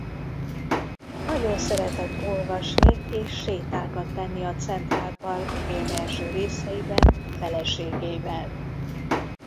Nagyon szeretett olvasni és sétákat tenni a Central Park félreeső részeiben feleségével.